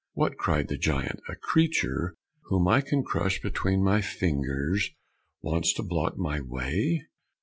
"What!" cried the giant, "a creature whom I can crush between my fingers, wants to block my way?